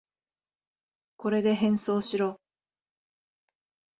これで変装しろ。